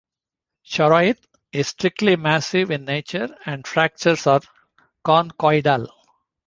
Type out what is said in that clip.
Charoite is strictly massive in nature, and fractures are conchoidal.